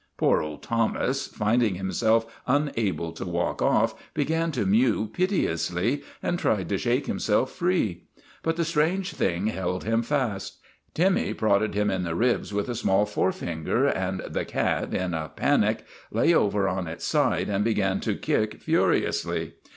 Poor old Thomas, finding himself unable to walk off, began to mew piteously and tried to shake himself free. But the strange thing held him fast. Timmy prodded him in the ribs with a small forefinger, and the cat, in a panic, lay over on its side and began to kick furiously.